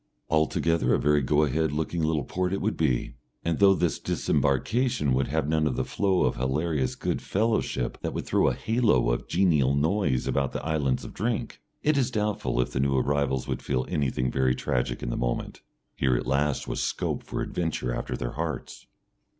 Altogether a very go ahead looking little port it would be, and though this disembarkation would have none of the flow of hilarious good fellowship that would throw a halo of genial noise about the Islands of Drink, it is doubtful if the new arrivals would feel anything very tragic in the moment. Here at last was scope for adventure after their hearts.